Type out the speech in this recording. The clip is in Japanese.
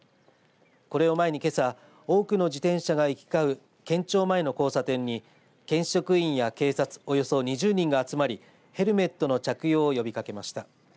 これを前にけさ多くの自転車が行き交う県庁前の交差点に県職員や警察およそ２０人が集まりヘルメットの着用を呼びかけました。